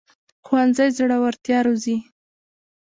ښوونځی زړورتیا روزي